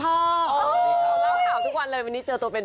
เราเล่าข่าวทุกวันเลยวันนี้เจอตัวเป็น